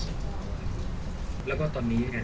ส่วนยังแบร์ดแซมแบร์ด